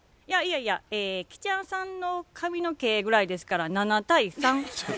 いやいやいや吉弥さんの髪の毛ぐらいですから７対３。